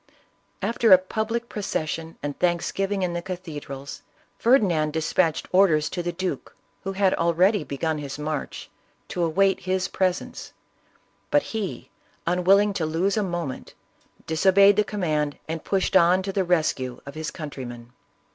After a public procession and thanksgiving in the cathedrals, Ferdinand dis patched orders to the duke, who had already begun his march, to await his presence ; but he, unwilling to lose a moment, disobeyed the command, and pushed on to the rescue of his countrymen.